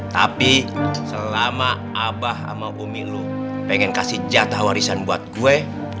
tapi selama abah sama umilu pengen kasih jatah warisan buat gue